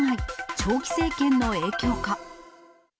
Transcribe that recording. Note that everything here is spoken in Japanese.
長期政権の影響か。